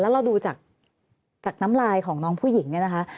แล้วเราดูจากน้ำลายของน้องผู้หญิงเนี่ยนะคะ